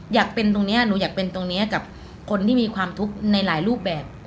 อยากเป็นตรงนี้หนูอยากเป็นตรงนี้กับคนที่มีความทุกข์ในหลายรูปแบบ